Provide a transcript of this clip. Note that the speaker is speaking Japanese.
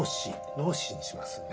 「脳死」にしますね。